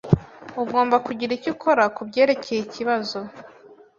Ugomba kugira icyo ukora kubyerekeye ikibazo.